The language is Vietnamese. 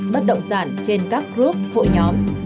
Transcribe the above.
bất động sản trên các group hội nhóm